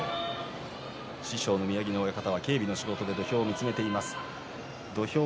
師匠の宮城野親方は警備の仕事で土俵を見つめています。